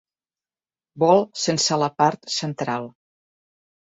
Bol sense la part central.